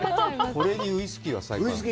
これにウイスキーは最高！